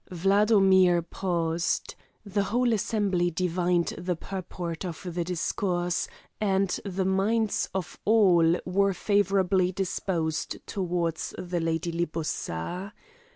'" Wladomir paused. The whole assembly divined the purport of the discourse, and the minds of all were favourably disposed towards the Lady Libussa.